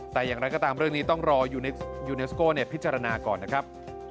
แต่อย่างไรก็ตามเรื่องนี้ต้องรอยูเนสโก้พิจารณาก่อนนะครับ